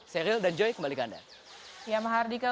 seril dan joy kembali ke anda